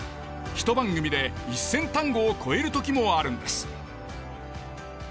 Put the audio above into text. ひと番組で１，０００単語を超える時もあるんです。